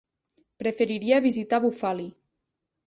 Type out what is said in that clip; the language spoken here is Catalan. Preferiria visitar Bufali.